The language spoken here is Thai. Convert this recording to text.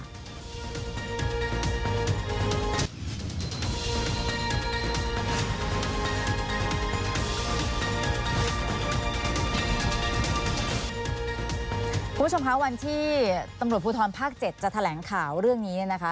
คุณผู้ชมคะวันที่ตำรวจภูทรภาค๗จะแถลงข่าวเรื่องนี้เนี่ยนะคะ